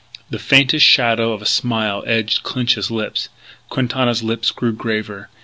The faintest shadow of a smile edged Clinch's lips. Quintana's lips grew graver.